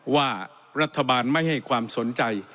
ว่ารัฐบาลไม่ให้ความสนใจ